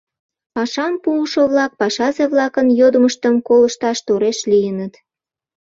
«Пашам пуышо-влак пашазе-влакын йодмыштым колышташ тореш лийыныт».